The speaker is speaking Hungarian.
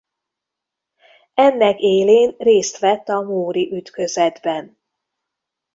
Ennek élén részt vett a móri ütközetben.